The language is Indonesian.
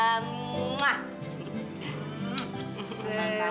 selamat ulang tahun sita